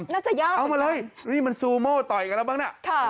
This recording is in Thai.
น่าจะยากเอามาเลยนี่มันซูโม่ต่อยกันแล้วบ้างน่ะ